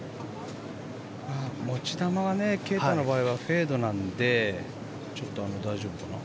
持ち球は啓太の場合はフェードなのでちょっと大丈夫かな。